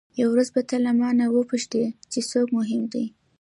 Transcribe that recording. یوه ورځ به ته له مانه وپوښتې چې څوک مهم دی.